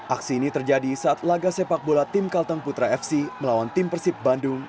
aksi ini terjadi saat laga sepak bola tim kalteng putra fc melawan tim persib bandung